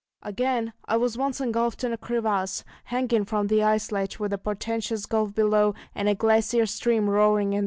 Again, I was once engulfed in a crevasse, hanging from the ice ledge with a portentous gulf below, and a glacier stream roaring in the darkness.